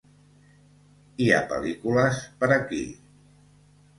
Hi ha pel·lícules per aquí